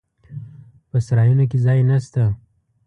په سرایونو کې ځای نسته.